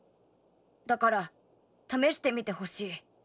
だから試してみてほしい。